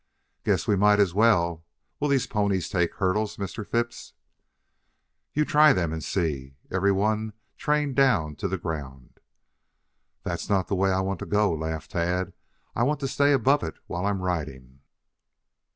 "Guess we might as well. Will these ponies take hurdles, Mr. Phipps?" "You try them and see. Every one trained down to the ground." "That's not the way I want to go," laughed Tad. "I want to stay above it while I'm riding."